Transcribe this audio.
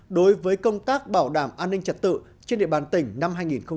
đối với công tác bảo đảm an ninh trật tự trên địa bàn tỉnh năm hai nghìn hai mươi ba